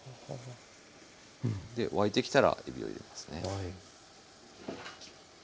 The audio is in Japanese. で沸いてきたらえびを入れますね。